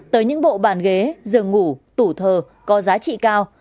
tới những bộ bàn ghế giường ngủ tủ thờ có giá trị cao